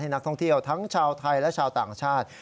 นักท่องเที่ยวทั้งชาวไทยและชาวต่างชาติ